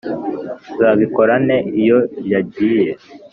nzabikora nte iyo yagiye